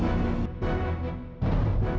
terima kasih banyak